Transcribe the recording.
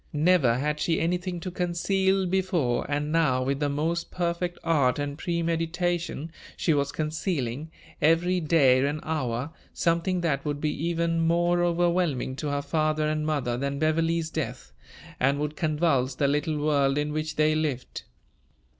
Never had she anything to conceal before; and now, with the most perfect art and premeditation, she was concealing, every day and hour, something that would be even more overwhelming to her father and mother than Beverley's death, and would convulse the little world in which they lived.